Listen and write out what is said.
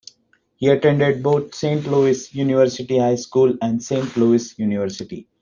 He attended both Saint Louis University High School and Saint Louis University.